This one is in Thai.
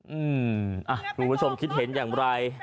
อืมอ่ะผู้ชมคิดเห็นอย่างไร